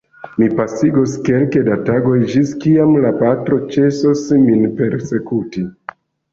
Mi pasigos kelke da tagoj, ĝis kiam la patro ĉesos min persekuti.